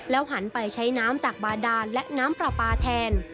หันไปใช้น้ำจากบาดานและน้ำปลาปลาแทน